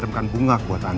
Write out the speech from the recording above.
ini bunga ihrangan